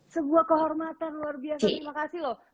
sebuah kehormatan luar biasa terima kasih loh